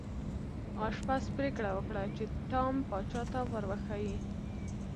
آشپز پریکړه وکړه چې ټام پاچا ته ور وښيي.